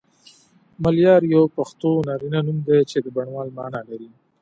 ملیار یو پښتو نارینه نوم دی چی د بڼوال معنی لری